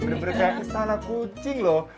bener bener kayak istana kucing loh